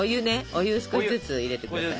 お湯少しずつ入れて下さい。